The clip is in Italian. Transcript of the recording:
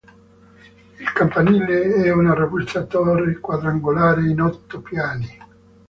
Il campanile è una robusta torre quadrangolare di otto piani.